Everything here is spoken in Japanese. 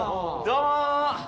どうも。